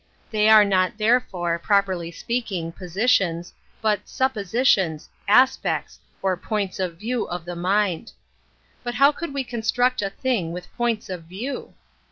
They are not, therefore, properly speaking, positions, . but " suppositions," aspects, or points of view of the mind. But how could we con struct a thing with points of view?